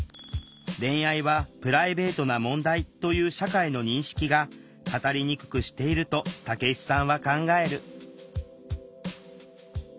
恋愛はプライベートな問題という社会の認識が語りにくくしていると武子さんは考える